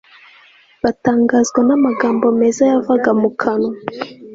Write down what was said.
batangazwa n amagambo meza yavaga mukanwa